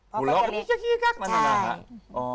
หัวเล่ากันพี่จะคี้กั๊กมานานค่ะ